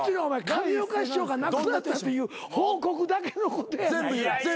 上岡師匠が亡くなったっていう報告だけのことや。